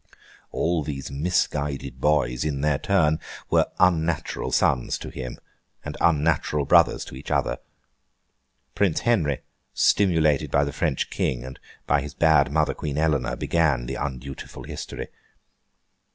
All these misguided boys, in their turn, were unnatural sons to him, and unnatural brothers to each other. Prince Henry, stimulated by the French King, and by his bad mother, Queen Eleanor, began the undutiful history.